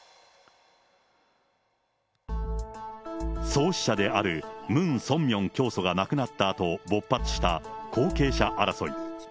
創始者であるムン・ソンミョン教祖が亡くなったあと勃発した後継者争い。